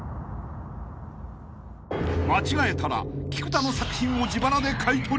［間違えたら菊田の作品を自腹で買い取り］